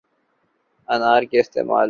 انار کے استعمال